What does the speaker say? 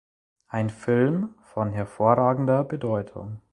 Ein Film von hervorragender Bedeutung.